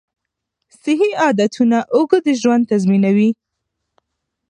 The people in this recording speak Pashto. صحي عادتونه اوږد ژوند تضمینوي.